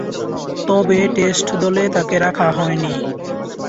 তবে, টেস্ট দলে তাকে রাখা হয়নি।